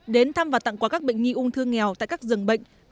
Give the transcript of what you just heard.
đến thăm và tặng quà các bệnh nhi ung thư nghèo tại các rừng bệnh